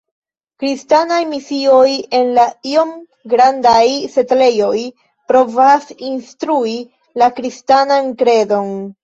Kristanaj misioj en la iom grandaj setlejoj provas instrui la kristanan kredon.